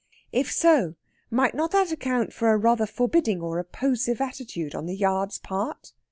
If so, might not that account for a rather forbidding or opposive attitude on the Yard's part?